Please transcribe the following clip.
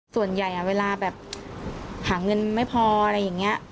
ส่วนใหญ่เวลาแบบหาเงินไม่พออะไรอย่างนี้